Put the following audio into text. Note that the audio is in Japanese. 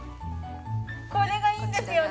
これがいいんですよね。